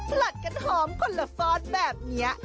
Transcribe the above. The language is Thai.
ผลัดกันหอมคนละฟอดแบบนี้